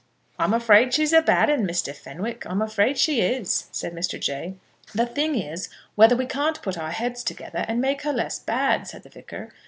"I'm afraid she is a bad 'un, Mr. Fenwick; I'm afraid she is," said Mr. Jay. "The thing is, whether we can't put our heads together and make her less bad," said the Vicar.